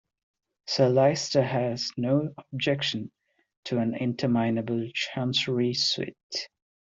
Sir Leicester has no objection to an interminable Chancery suit.